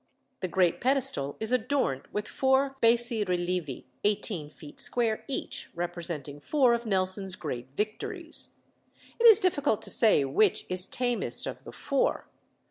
The great pedestal is adorned with four bassi relievi, eighteen feet square each, representing four of Nelson's great victories. It is difficult to say which is tamest of the four.